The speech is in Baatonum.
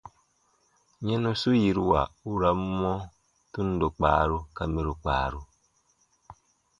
Yɛnusu yiruwa u ra n mɔ : tundo kpaaru ka mɛro kpaaru.